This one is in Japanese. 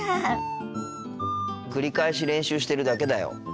繰り返し練習してるだけだよ。